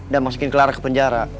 dan masukin clara ke penjara